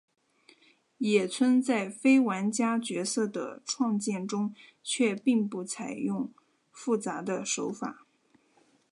野村在非玩家角色的创建中却并不采用复杂的手法。